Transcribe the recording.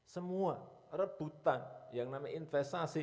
semua rebutan yang namanya investasi